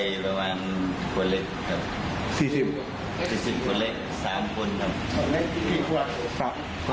อ๋ออีก